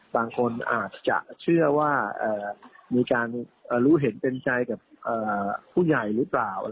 บางคนอาจจะเชื่อว่ามีการรู้เห็นเป็นใจกับผู้ใหญ่หรือเปล่า